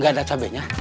gak ada cabenya